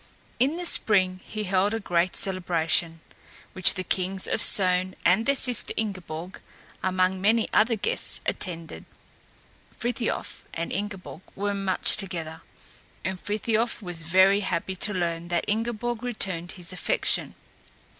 In the spring he held a great celebration, which the kings of Sogn and their sister Ingeborg, among many other guests, attended. Frithiof and Ingeborg were much together, and Frithiof was very happy to learn that Ingeborg returned his affection.